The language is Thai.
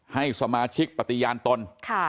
ให้สมาชิกปฏิญาณตน